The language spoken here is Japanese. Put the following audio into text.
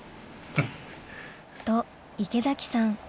と池崎さん